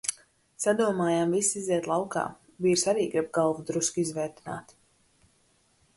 Sadomājām visi iziet laukā, vīrs arī grib galvu drusku izvēdināt.